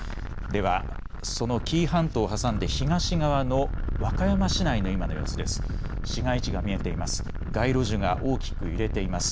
ではその紀伊半島を挟んで東側の和歌山市内の今の様子です。